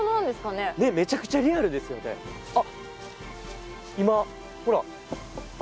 ねっめちゃくちゃリアルですよねあっ